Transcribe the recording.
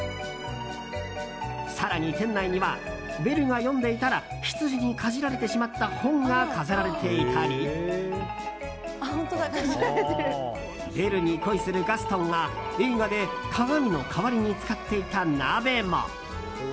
更に店内にはベルが読んでいたらヒツジにかじられてしまった本が飾られていたりベルに恋するガストンが映画で鏡の代わりに使っていた鍋も。